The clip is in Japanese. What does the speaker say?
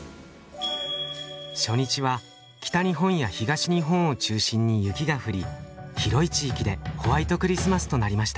初日は北日本や東日本を中心に雪が降り広い地域でホワイトクリスマスとなりました。